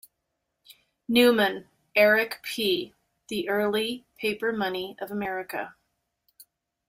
Newman, Eric P. "The Early Paper Money of America".